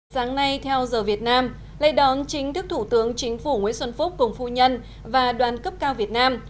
sáng nay theo giờ việt nam lễ đón chính thức thủ tướng chính phủ nguyễn xuân phúc cùng phu nhân và đoàn cấp cao việt nam